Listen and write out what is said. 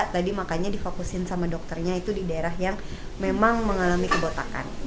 tadi makanya difokusin sama dokternya itu di daerah yang memang mengalami kebotakan